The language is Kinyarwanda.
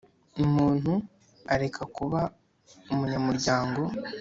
Umuntu areka kuba umunyamuryango